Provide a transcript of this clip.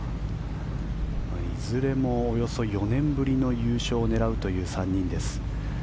いずれもおよそ４年ぶりの優勝を狙うという３人です。